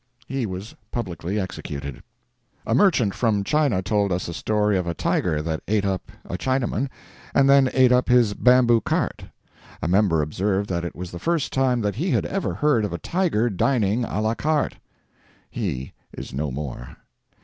He was publicly executed. A merchant from China told us a story of a tiger that ate up a Chinaman, and then ate up his bamboo cart. A member observed that it was the first time that he had ever heard of a tiger dining a la carte. He is no more.